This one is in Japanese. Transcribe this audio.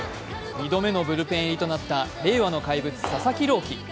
２度目のブルペン入りとなった令和の怪物・佐々木朗希。